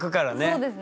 そうですね。